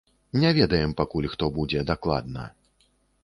Не ведаем пакуль, хто будзе дакладна.